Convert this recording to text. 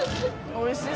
おいしい。